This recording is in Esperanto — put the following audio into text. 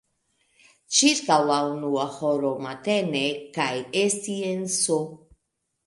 ĉirkaŭ la unua horo matene kaj esti en S.